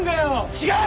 違う！